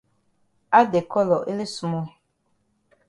Add de colour ele small.